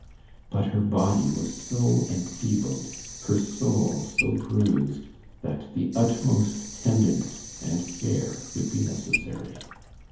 But her body was so enfeebled her soul so bruised that the utmost tenderness and care would be necessary.